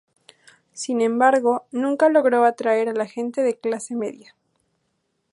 Sin embargo, nunca logró atraer a la gente de clase media.